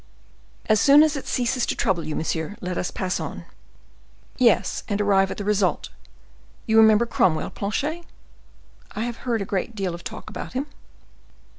"As soon as it ceases to trouble you, monsieur, let us pass on." "Yes, and arrive at the result. You remember Cromwell, Planchet?" "I have heard a great deal of talk about him.